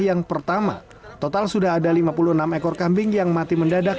yang pertama total sudah ada lima puluh enam ekor kambing yang mati mendadak